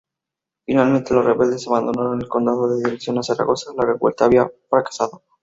Finalmente los rebeldes abandonaron el condado en dirección a Zaragoza: la revuelta había fracasado.